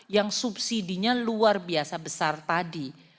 yang subsidinya luar biasa besar tadi